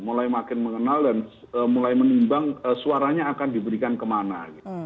mulai makin mengenal dan mulai menimbang suaranya akan diberikan kemana